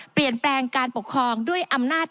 เปลี่ยนแปลงการปกครองด้วยอำนาจ